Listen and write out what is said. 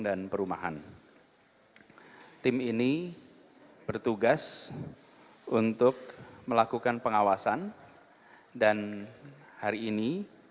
dan perumahan tim ini bertugas untuk melakukan pengawasan dan hari ini